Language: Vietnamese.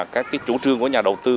các chủ trương của nhà đầu tư